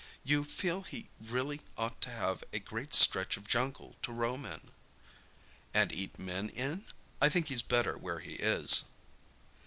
You feel he really ought to have a great stretch of jungle to roam in." "And eat men in? I think he's better where he is."